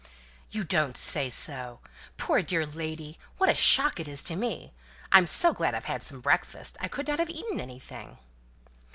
"You don't say so? Poor dear lady! What a shock it is to me! I'm so glad I've had some breakfast. I could not have eaten anything."